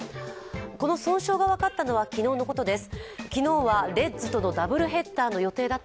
この損傷が分かったのは昨日のことです。